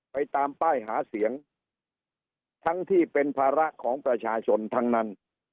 ไปตามป้ายหาเสียงทั้งที่เป็นภาระของประชาชนทั้งนั้น